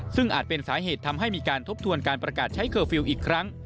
ซึ่งอาจเป็นสาเหตุทำให้มีการทบทวนการประกาศใช้เคอร์ฟิลล์อีกครั้ง